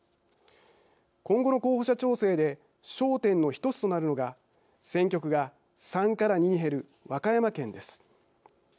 今後の候補者調整で焦点の１つとなるのが選挙区が３から２に減る和歌山県です。